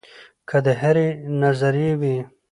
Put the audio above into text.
کۀ د هرې نظرئې وي